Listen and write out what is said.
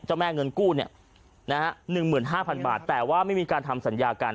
แม่เงินกู้๑๕๐๐๐บาทแต่ว่าไม่มีการทำสัญญากัน